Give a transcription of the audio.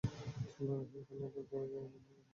চলো রেহান, কর্নেল এর ঘরে গিয়ে তোমার ইউনিট কে রেডিও করি।